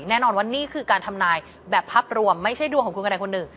แน่นอนว่านี่คือการทำนายแบบภาพรวมไม่ใช่ดวงของคุณกระใดคนหนึ่ง